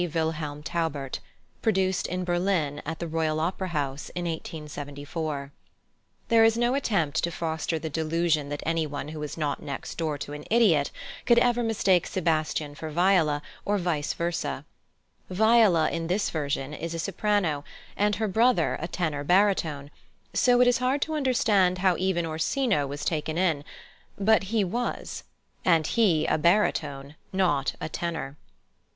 Wilhelm Taubert+, produced in Berlin at the Royal Opera House in 1874. There is no attempt to foster the delusion that anyone who is not next door to an idiot could ever mistake Sebastian for Viola, or vice versâ. Viola, in this version, is a soprano, and her brother a tenor baritone, so it is hard to understand how even Orsino was taken in; but he was (and he a baritone, not a tenor!).